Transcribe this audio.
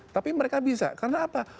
tapi mereka bisa karena apa